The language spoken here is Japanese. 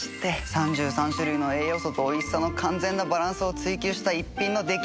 ３３種類の栄養素とおいしさの完全なバランスを追求した逸品の出来上がり！